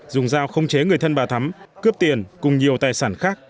dùng dao không chế người thân bà thắm cướp tiền cùng nhiều tài sản khác